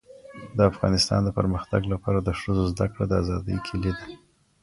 . د افغانستان د پرمختګ لپاره د ښځو زدهکړه د آزادۍ کيلي ده.